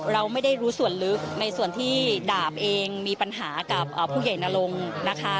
เราไม่ได้รู้ส่วนลึกในส่วนที่ดาบเองมีปัญหากับผู้ใหญ่นรงค์นะคะ